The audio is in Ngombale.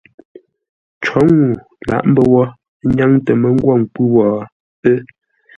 Cǒ ŋuu lǎʼ mbə́ wó, ə́ nyáŋ tə mə́ ngwô nkwʉ́ wó, ə́.